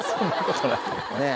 ねえ？